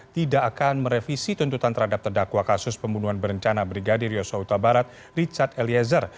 tidak akan merevisi tuntutan terhadap terdakwa kasus pembunuhan berencana brigadir yosua utabarat richard eliezer